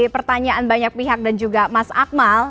pertanyaan banyak pihak dan juga mas akmal